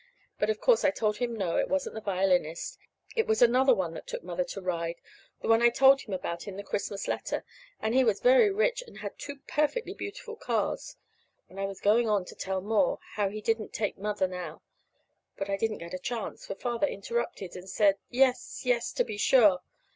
But, of course, I told him no, it wasn't the violinist. It was another one that took Mother to ride, the one I told him about in the Christmas letter; and he was very rich, and had two perfectly beautiful cars; and I was going on to tell more how he didn't take Mother now but I didn't get a chance, for Father interrupted, and said, "Yes, yes, to be sure."